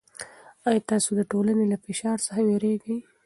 آیا تاسې د ټولنې له فشار څخه وېرېږئ؟